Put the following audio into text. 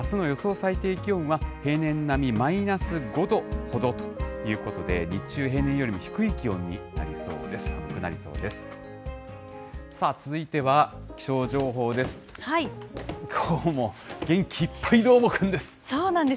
最低気温は、平年並み、マイナス５度ほどということで、日中、平年よりも低い気温になりそうです。